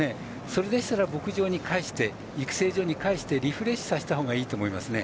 それでしたら牧場に返して育成所に返してリフレッシュさせたほうがいいと思いますね。